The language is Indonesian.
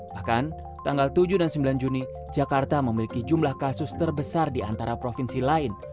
bahkan tanggal tujuh dan sembilan juni jakarta memiliki jumlah kasus terbesar di antara provinsi lain